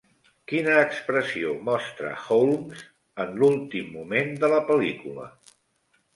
Quina expressió mostra Holmes en l'últim moment de la pel·lícula?